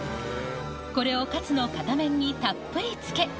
これをカツの片面にたっぷりつけ